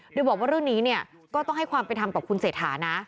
โดยบอกว่าเรื่องนี้เนี่ยก็ต้องให้ความเป็นธรรมต่อคุณเศรษฐานะ